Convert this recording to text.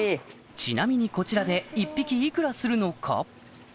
ちなみにこちらで１匹幾らするのか？